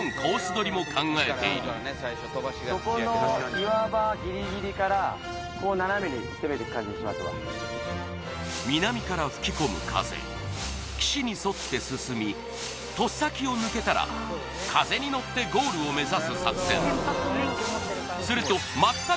どりも考えているそこの岩場ギリギリからこう感じにしますわ南から吹き込む風岸に沿って進み突先を抜けたら風に乗ってゴールを目指す作戦するともう１組いた